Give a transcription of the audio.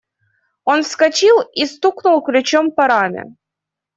Он вскочил и стукнул ключом по раме.